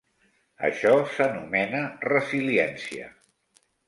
Això s'anomena resiliència.